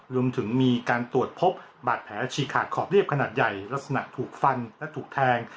รวมถึงมีการตรวจพบบาดแผลฉีกขาดขอบเรียบขนาดใหญ่ลักษณะถูกฟันและถูกแทง